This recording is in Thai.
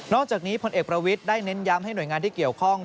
จากนี้พลเอกประวิทย์ได้เน้นย้ำให้หน่วยงานที่เกี่ยวข้อง